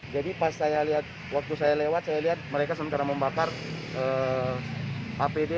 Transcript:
jadi pas saya lihat waktu saya lewat saya lihat mereka sedang membakar apd